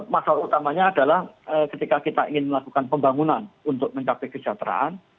masalah utamanya adalah ketika kita ingin melakukan pembangunan untuk mencapai kesejahteraan